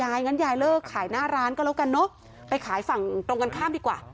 งั้นยายเลิกขายหน้าร้านก็แล้วกันเนอะไปขายฝั่งตรงกันข้ามดีกว่า